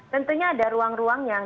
tentunya ada ruang ruang yang